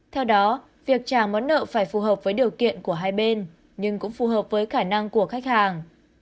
theo đó việc trả món nợ phải phù hợp với điều kiện của hai bên nhưng cũng phù hợp với khả năng của khách hàng